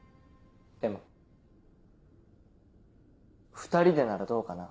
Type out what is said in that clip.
でも２人でならどうかな？